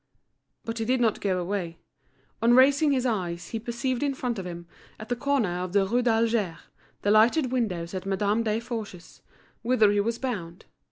But he did not go away. On raising his eyes he perceived in front of him, at the corner of the Rue d'Alger, the lighted windows at Madame Desforges's, whither he was bound.